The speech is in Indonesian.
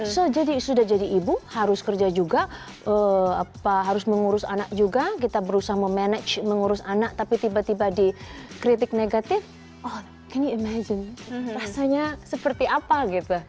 so jadi sudah jadi ibu harus kerja juga harus mengurus anak juga kita berusaha memanage mengurus anak tapi tiba tiba dikritik negatif oh ini imagin rasanya seperti apa gitu